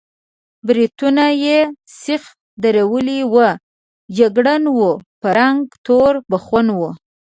برېتونه یې سېخ درولي وو، جګړن و، په رنګ تور بخون و.